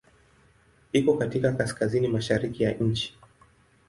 Iko katika kaskazini-mashariki ya nchi.